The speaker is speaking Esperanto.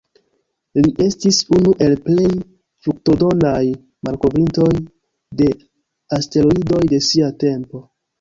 Li estis unu el plej fruktodonaj malkovrintoj de asteroidoj de sia tempo.